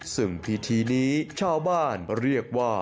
ซึ่งพิธีนี้ชาวบ้านเรียกว่า